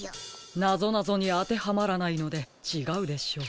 なぞなぞにあてはまらないのでちがうでしょう。